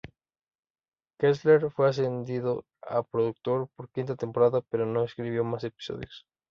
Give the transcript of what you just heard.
Kessler fue ascendido a productor por quinta temporada, pero no escribió más episodios.